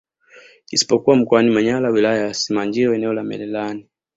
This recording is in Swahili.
Isipokuwa Mkoani Manyara Wilaya ya Simanjiro eneo la Mererani